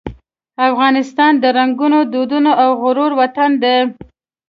افغانستان د رنګونو، دودونو او غرور وطن دی.